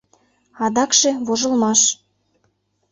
Адакше — вожылмаш.